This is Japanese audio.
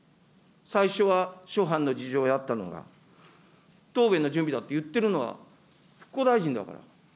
最初は諸般の事情だったのが、答弁の準備だって言ってるのは復興大臣だから。